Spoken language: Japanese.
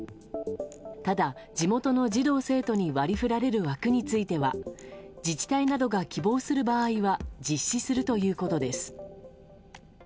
ただ、地元の児童・生徒に割り振られる枠については自治体などが希望する場合は実施するということです。